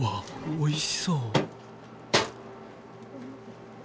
おいしそう。